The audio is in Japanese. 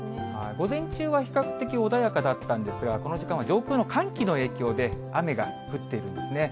午前中は比較的穏やかだったんですが、この時間は上空の寒気の影響で、雨が降っているんですね。